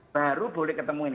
baru boleh ketemu ini